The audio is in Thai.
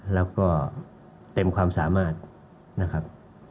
แล้วก็เต็มความสามารถนะครับ